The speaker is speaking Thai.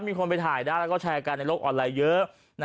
มีคนไปถ่ายได้แล้วก็แชร์กันในโลกออนไลน์เยอะ